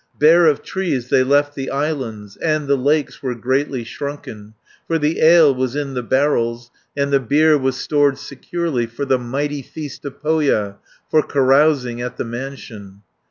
Bare of trees they left the islands, And the lakes were greatly shrunken, 440 For the ale was in the barrels, And the beer was stored securely For the mighty feast of Pohja, For carousing at the mansion.